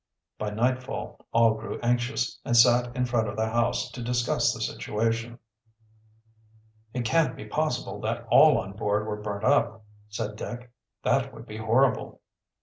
By nightfall all grew anxious, and sat in front of the house to discuss the situation. "It can't be possible that all on board were burnt up," said Dick. "That would be horrible."